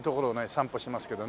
散歩しますけどね